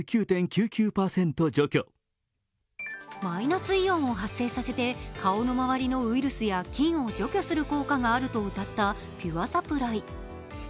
マイナスイオンを発生させて顔の周りのウイルスや菌を除去する効果があるとうたったピュアサプライ。